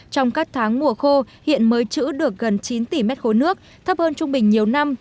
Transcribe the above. trong các tháng mùa khô hiện mới chữ được gần chín tỷ m ba nước thấp hơn trung bình nhiều năm